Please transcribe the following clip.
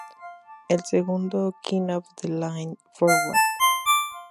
El segundo, ""King of the Land, Forward!